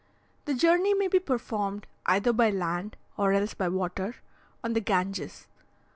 The journey may be performed either by land, or else by water, on the Ganges.